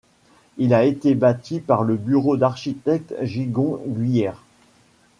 Il a été bâti par le bureau d'architectes Gigon Guyer.